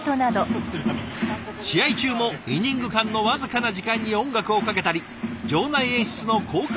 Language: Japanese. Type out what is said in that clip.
試合中もイニング間の僅かな時間に音楽をかけたり場内演出の効果音を出したり。